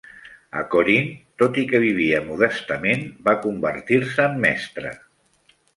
A Corinth, tot i que vivia modestament, va convertir-se en mestre.